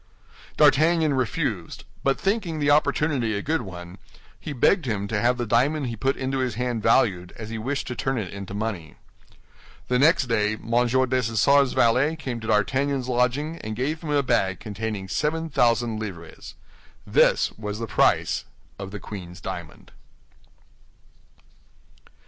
D'Artagnan refused; but thinking the opportunity a good one, he begged him to have the diamond he put into his hand valued, as he wished to turn it into money. The next day, M. Dessessart's valet came to D'Artagnan's lodging, and gave him a bag containing seven thousand livres. This was the price of the queen's diamond.